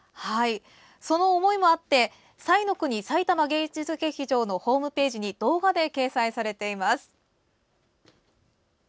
その思いもあって彩の国さいたま芸術劇場のホームページに動画で掲載されています。